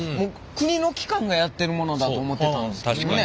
国の機関がやってるものだと思ってたんですけどね